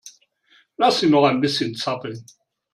Lass sie noch ein bisschen zappeln.